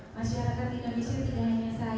masyarakat indonesia tidak hanya saya